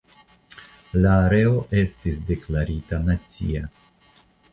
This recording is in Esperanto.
La areo estis deklarita nacia.